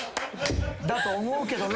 だと思うけどなぁ。